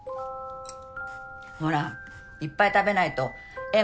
ほらいっぱい食べないと絵も